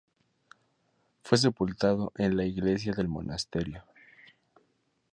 Fue sepultado en la iglesia del monasterio.